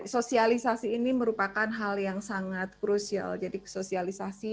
sosialisasi ini merupakan hal yang sangat krusial jadi sosialisasi